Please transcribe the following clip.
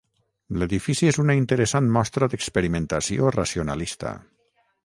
L'edifici és una interessant mostra d'experimentació racionalista.